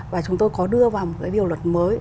và chúng tôi có đưa vào một cái điều luật mới